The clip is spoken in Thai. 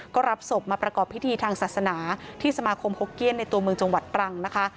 ก็รับศพมาประกอบพิธีทางศาสนาที่สมาคมโฮกเกี้ยนในตัวเมืองจังหวัดตรังนะคะ